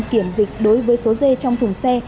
kiểm dịch đối với số dê trong thùng xe